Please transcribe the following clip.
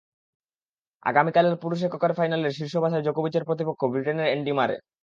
আগামীকালের পুরুষ এককের ফাইনালে শীর্ষ বাছাই জোকোভিচের প্রতিপক্ষ ব্রিটেনের অ্যান্ডি মারে।